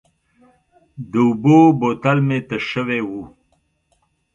د اوبو بوتل مې تش شوی و.